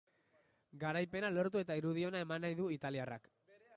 Garaipena lortu eta irudi ona eman nahi du italiarrak.